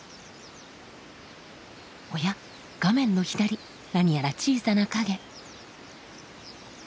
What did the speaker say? おや画面の左何やら小さな影。